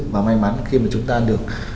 mà may mắn khi mà chúng ta được